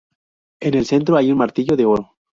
En el centro hay un martillo de oro.